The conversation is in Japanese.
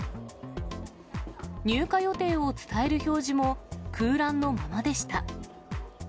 入荷予定を伝える表示も空欄のままでした。